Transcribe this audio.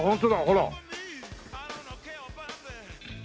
ほら！